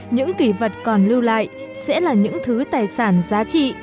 những kỳ vật còn lưu lại sẽ là những thứ tài sản giá trị